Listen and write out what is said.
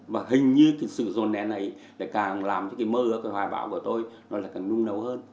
và hình như sự dồn nén này càng làm cho mơ hoài bão của tôi nó là càng nung nấu hơn